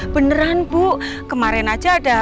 beneran bu kemarin aja ada